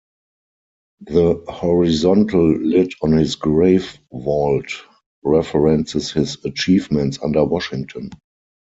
The horizontal lid on his grave vault references his achievements under Washington.